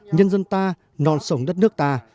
nhân dân ta non sống đất nước ta